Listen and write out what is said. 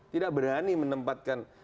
tidak berani menempatkan